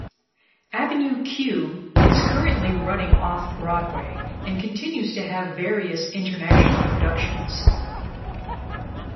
"Avenue Q" is currently running Off-Broadway and continues to have various international productions.